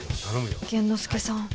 玄之介さん